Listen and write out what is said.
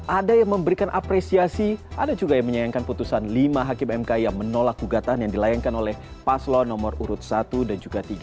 ada yang memberikan apresiasi ada juga yang menyayangkan putusan lima hakim mk yang menolak ugatan yang dilayangkan oleh paslo nomor urut satu dan juga tiga